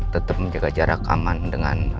tetap menjaga jarak aman dengan